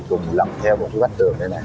cùng lặp theo một cái bắt trường này